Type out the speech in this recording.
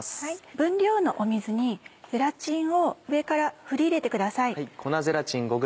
分量の水にゼラチンを上から振り入れてください。